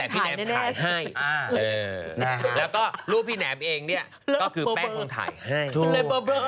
แต่พี่แหนมถ่ายให้